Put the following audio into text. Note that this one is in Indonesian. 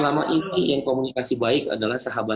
tapi meminta agar tidak mengurangi perlindungan terhadap buruh